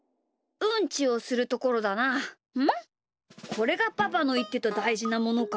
これがパパのいってただいじなものか。